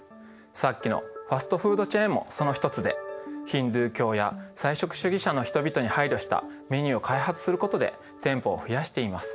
さっきのファストフードチェーンもその一つでヒンドゥー教や菜食主義者の人々に配慮したメニューを開発することで店舗を増やしています。